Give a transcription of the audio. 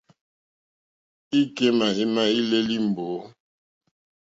Èkémà émá èlélí è mbǒ.